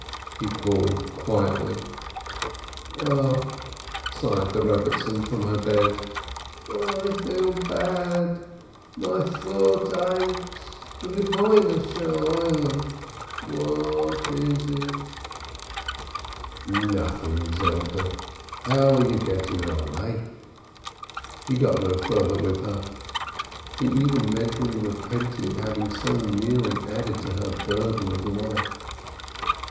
he called quietly. "A h," sighed the Eebbetzin from her bed. "I feel bad ; my foot aches, Lord of the World ! What is it ?" 443 NAUMBEEG "Nothing, Zelde. How are you getting on, eh?" He got no further with her; he even mentally repented having so nearly added to her burden of life.